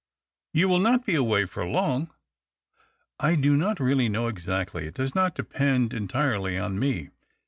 " You will not be away for long ?" "I do not really know exactly. It does not depend entirely on me."